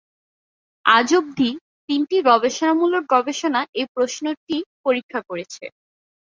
আজ অবধি, তিনটি গবেষণামূলক গবেষণা এই প্রশ্নটি পরীক্ষা করেছে।